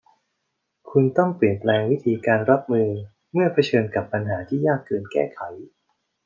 คุณต้องเปลี่ยนแปลงวิธีการรับมือเมื่อเผชิญกับปัญหาที่ยากเกินแก้ไข